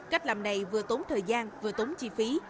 cách làm này vừa tốn thời gian vừa tốn chi phí